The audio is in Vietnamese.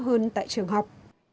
hơn tại trường học